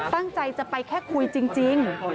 ตั้งใจจะไปแค่คุยจริง